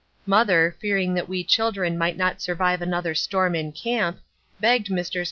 Mother, fearing that we children might not survive another storm in camp, begged Messrs.